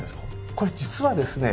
これ実はですね